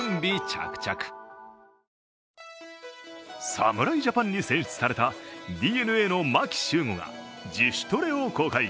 侍ジャパンに選出されたＤｅＮＡの牧秀悟が自主トレを公開。